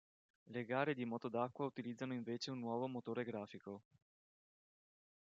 Le gare di moto d'acqua utilizzano invece un nuovo motore grafico.